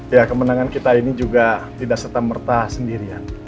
ya kemenangan kita ini juga tidak serta merta sendirian